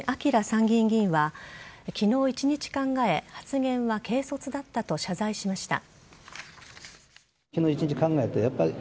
参議院議員は昨日一日考え発言は軽率だったと謝罪しました。